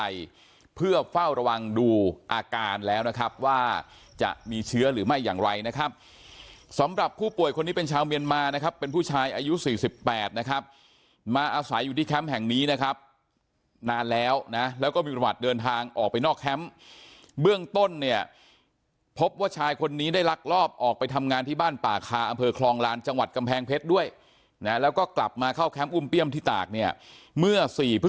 อย่างไรนะครับสำหรับผู้ป่วยคนนี้เป็นชาวเมียนมานะครับเป็นผู้ชายอายุ๔๘นะครับมาอาศัยอยู่ที่แคมป์แห่งนี้นะครับนานแล้วนะแล้วก็มีประวัติเดินทางออกไปนอกแคมป์เบื้องต้นเนี่ยพบว่าชายคนนี้ได้ลักลอบออกไปทำงานที่บ้านป่าคาอำเภอคลองลานจังหวัดกำแพงเพชรด้วยแล้วก็กลับมาเข้าแคมป์อุ้มเปรี้ยมที่ตากเนี่ย